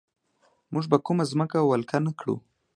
موږ به کومه ځمکه ولکه نه کړو.